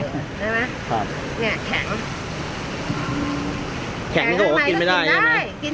เนี่ยแข็งแข็งก็บอกว่ากินไม่ได้ใช่ไหม